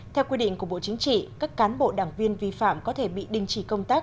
theo quy định của bộ chính trị các cán bộ đảng viên vi phạm có thể bị đình chỉ công tác